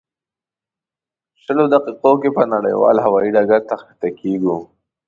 شلو دقیقو کې به نړیوال هوایي ډګر ته ښکته کېږو.